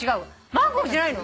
マンゴーじゃないの？